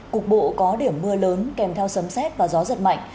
cục bộ có điểm mưa lớn kèm theo sấm xét và gió giật mạnh